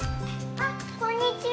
あっこんにちは。